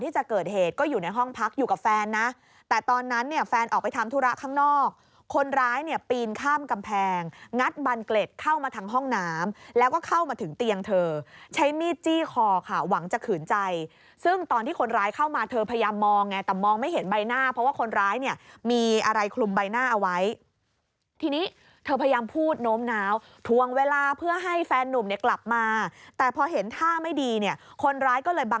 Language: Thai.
จีนข้ามกำแพงงัดบันเกล็ดเข้ามาทั้งห้องน้ำแล้วก็เข้ามาถึงเตียงเธอใช้มีดจี้คอค่ะหวังจะขืนใจซึ่งตอนที่คนร้ายเข้ามาเธอพยายามมองไงแต่มองไม่เห็นใบหน้าเพราะว่าคนร้ายเนี่ยมีอะไรคลุมใบหน้าเอาไว้ทีนี้เธอพยายามพูดโน้มหนาวทวงเวลาเพื่อให้แฟนนุ่มเนี่ยกลับมาแต่พอเห็นท่าไม่ดีเนี่ยคนร้าย